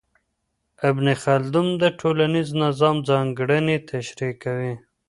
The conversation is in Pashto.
ابن خلدون د ټولنیز نظام ځانګړنې تشریح کوي.